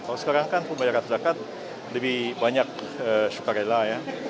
kalau sekarang kan pembayaran zakat lebih banyak sukarela ya